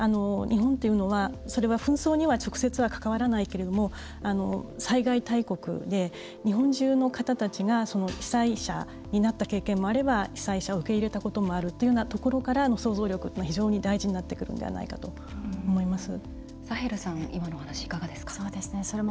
日本というのは紛争には直接関わらないけれども災害大国で日本中の方たちが被災者になった経験もあれば被災者を受け入れたこともあるというところからの想像力が非常に大事になってくるのではないかと思います。